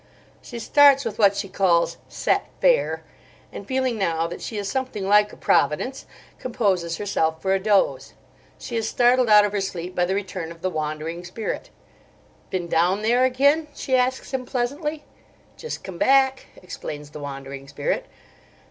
She starts with she calls "set fair," and feeling now that she is something like a Providence, composes herself for a doze. She is startled out of her sleep by the return of the Wandering Spirit. "Been down there again?" she asks him pleasantly. "Just come back," explains the Wandering Spirit.